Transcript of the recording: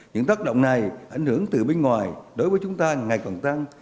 những tác động này ảnh hưởng từ bên ngoài đối với chúng ta ngày càng tăng